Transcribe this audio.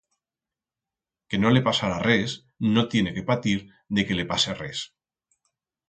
Que no le pasará res no tiene que patir de que le pase res.